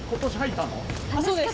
そうです。